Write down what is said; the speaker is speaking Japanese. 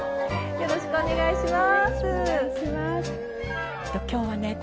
よろしくお願いします。